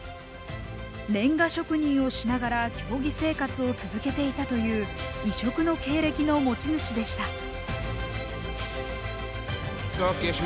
レンガ職人をしながら競技生活を続けていたという異色の経歴の持ち主でした。